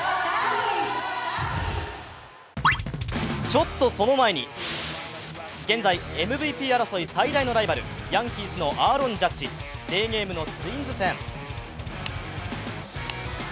ちょっとその前に、現在、ＭＶＰ争い最大のライバル、ヤンキースのアーロン・ジャッジ、デーゲームのツインズ戦。